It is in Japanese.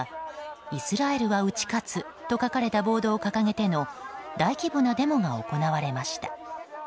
イスラエルは打ち勝つと書かれたボードを掲げての大規模なデモが行われました。